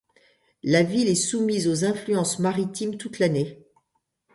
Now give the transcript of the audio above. La ville est soumise aux influences maritimes toute l'année.